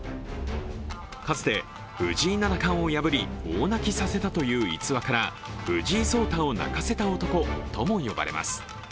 かつて藤井七冠を破り、大泣きさせたという逸話から藤井聡太を泣かせた男とも呼ばれます。